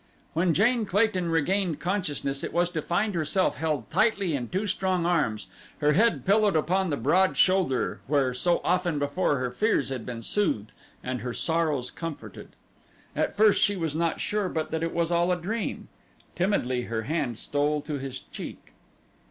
When Jane Clayton regained consciousness it was to find herself held tightly in two strong arms, her head pillowed upon the broad shoulder where so often before her fears had been soothed and her sorrows comforted. At first she was not sure but that it was all a dream. Timidly her hand stole to his cheek.